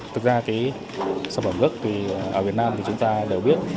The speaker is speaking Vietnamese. thực ra cái sản phẩm gốc thì ở việt nam thì chúng ta đều biết